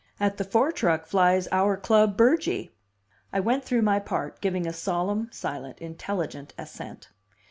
"At the fore truck flies our club burgee." I went through my part, giving a solemn, silent, intelligent assent.